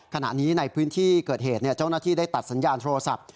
ขณะนี้ในพื้นที่เกิดเหตุเจ้าหน้าที่ได้ตัดสัญญาณโทรศัพท์